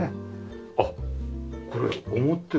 あっこれ表。